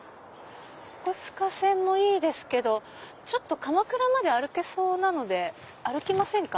横須賀線もいいですけど鎌倉まで歩けそうなので歩きませんか？